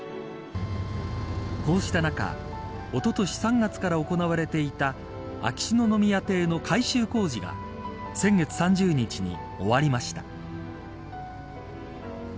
こうした中おととし３月から行われていた秋篠宮邸の改修工事が先月３０日に終わりました。